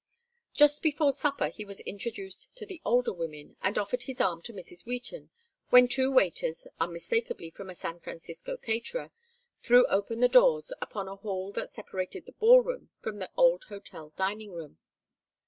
Just before supper he was introduced to the older women, and offered his arm to Mrs. Wheaton when two waiters, unmistakably from a San Francisco caterer, threw open the doors upon a hall that separated the ballroom from the old hotel dining room.